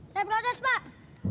saya protes pak